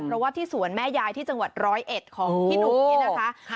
เพราะว่าที่สวนแม่ยายที่จังหวัดร้อยเอ็ดของพี่หนุ่มนี่นะคะ